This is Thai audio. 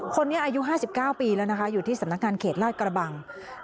คนนี้อายุ๕๙ปีแล้วนะคะอยู่ที่สำนักงานเขตลาดกระบัง